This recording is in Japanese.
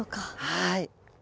はい。